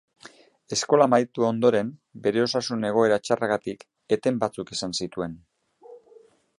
Eskola amaitu ondoren, bere osasun-egoera txarragatik eten batzuk izan zituen.